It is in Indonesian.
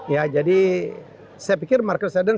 ya jadi saya pikir marker seven